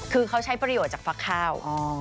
คือเขาใช้ประโยชน์จากฟักข้าว